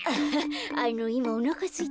あのいまおなかすいてなくて。